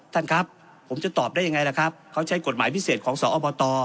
ท่านครับผมจะตอบได้ยังไงล่ะครับเขาใช้กฎหมายพิเศษของสอบต